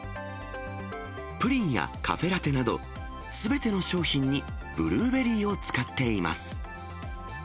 プリンやカフェラテなど、すべての商品にブルーベリーを使っています。